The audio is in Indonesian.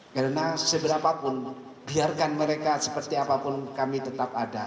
karena seberapapun biarkan mereka seperti apapun kami tetap ada